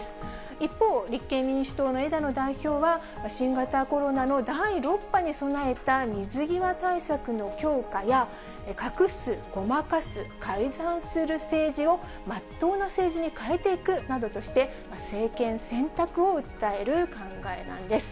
一方、立憲民主党の枝野代表は、新型コロナの第６波に備えた水際対策の強化や、隠す、ごまかす、改ざんする政治をまっとうな政治に変えていくなどとして、政権選択を訴える考えなんです。